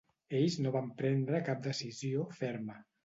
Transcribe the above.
Ells no van prendre cap decisió ferma.